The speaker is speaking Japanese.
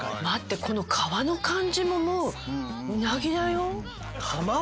待ってこの皮の感じももううなぎだよ。